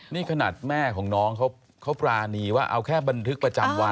นี่ขนาดแม่ของน้องเขาปรานีว่าเอาแค่บันทึกประจำวัน